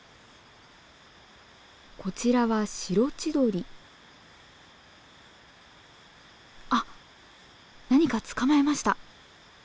こちらはあっ何か捕まえました。